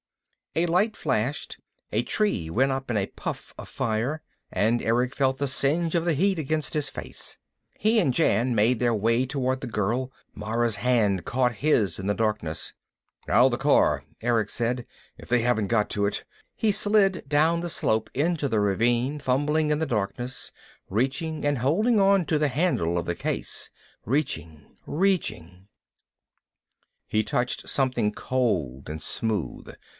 A light flashed. A tree went up in a puff of fire, and Erick felt the singe of the heat against his face. He and Jan made their way toward the girl. Mara's hand caught his in the darkness. "Now the car," Erick said. "If they haven't got to it." He slid down the slope into the ravine, fumbling in the darkness, reaching and holding onto the handle of the case. Reaching, reaching He touched something cold and smooth.